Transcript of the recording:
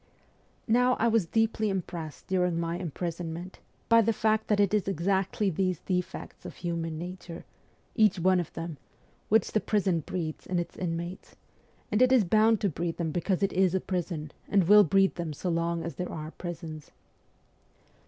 Now I was deeply impressed during my imprisonment by the fact that it is exactly these defects of human nature each one of them WESTERN EUROPE 281 which the prison breeds in its inmates ; and it is bound to breed them because it is a prison, and will breed them so long as there are prisons.